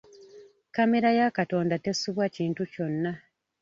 Kkamera ya Katonda tesubwa kintu kyonna.